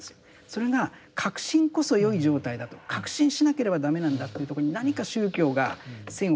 それが確信こそ良い状態だと確信しなければ駄目なんだっていうとこに何か宗教が線を引いてきたんじゃないか。